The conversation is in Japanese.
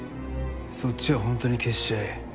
そっちは本当に消しちゃえ。